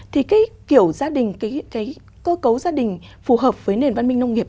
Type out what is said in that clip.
thì cái kiểu gia đình cái cơ cấu gia đình phù hợp với nền văn minh nông nghiệp